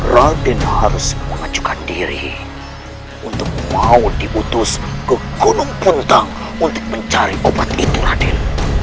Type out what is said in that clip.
raden harus memajukan diri untuk mau diutus ke gunung kuntang untuk mencari obat itu raden